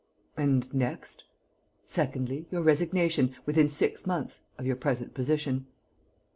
"And next?" "Secondly, your resignation, within six months, of your present position."